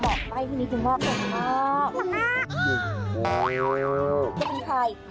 เห็นไหมวันนี้ดีกว่าเซวมาก